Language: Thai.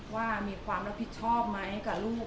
ว่ามีความรับผิดชอบไหมกับลูก